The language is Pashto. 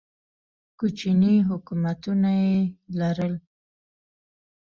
کوچني حکومتونه یې لرل